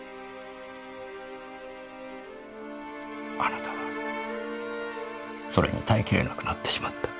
あなたはそれに耐え切れなくなってしまった。